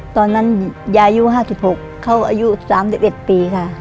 ตอนนั้นยายอายุ๕๖เขาอายุ๓๑ปีค่ะ